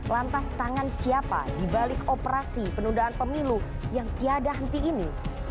lantas tangan siapa dibalik operasi penundaan pemilu yang tiada henti ini